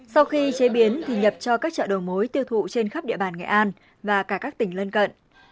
sau khi chế biến thì nhập cho các chợ đầu mối tiêu thụ trên khắp địa bàn nghệ an và cả các tỉnh lân cận